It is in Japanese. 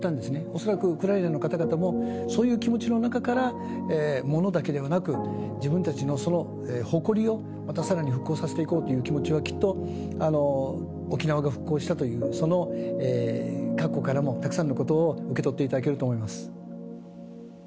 恐らくウクライナの方々も、そういう気持ちの中から、物だけではなく、自分たちの誇りをまたさらに復興させていこうという気持ちは、きっと沖縄が復興したという、その過去からも、たくさんのことを受け取っていただけると思います。